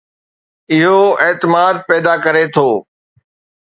اهو اعتماد پيدا ڪري ٿو